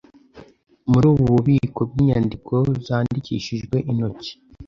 muri ubu bubiko bw'inyandiko zandikishijwe intoki